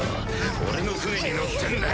俺の船に乗ってんだ。